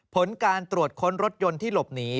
ผลการตรวจค้นรถยนต์ที่หลบหนี